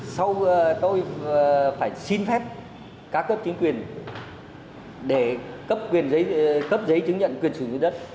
sau tôi phải xin phép các cấp chính quyền để cấp giấy chứng nhận quyền sử dụng đất